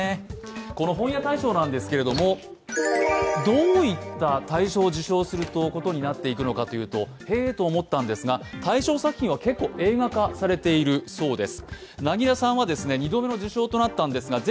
本屋大賞なんですけどどういった作品が大賞になるのかというとへと思ったんですが、大賞作品は結構映画化されているそうです。